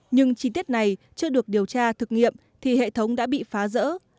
nhưng chi tiết này chưa được điều tra thực nghiệm thì hệ thống đã bị phá rỡ